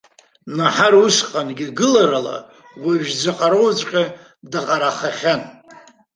Наҳар усҟангьы гыларыла уажә дзаҟараҵәҟьоу даҟарахахьан.